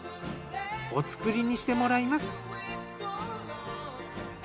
お造りにしてもらいます。